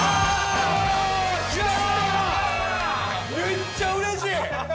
めっちゃうれしい！